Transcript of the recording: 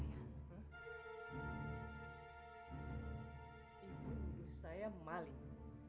ibu nuduh saya maling